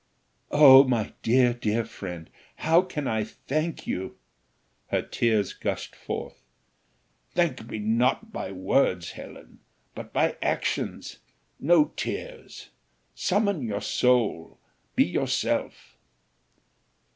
"Oh my dear, dear friend, how can I thank you?" Her tears gushed forth. "Thank me not by words, Helen, but by actions; no tears, summon your soul be yourself."